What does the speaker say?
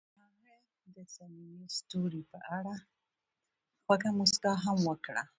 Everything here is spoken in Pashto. هغې د صمیمي ستوري په اړه خوږه موسکا هم وکړه.